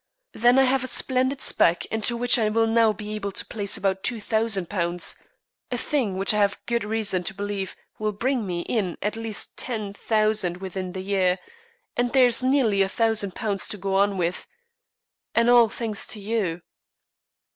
Then I have a splendid 'spec,' into which I will now be able to place about £2,000 a thing which I have good reason to believe will bring me in at least ten thou' within the year, and there is nearly a thousand pounds to go on with. And all thanks to you."